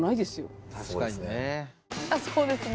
「そうですね」